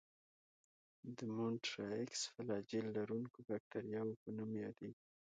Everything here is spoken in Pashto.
د مونټرایکس فلاجیل لرونکو باکتریاوو په نوم یادیږي.